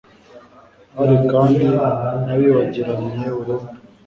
hari kandi n'abibagiranye burundu